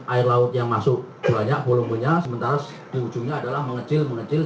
air laut yang masuk banyak volumenya sementara di ujungnya adalah mengecil mengecil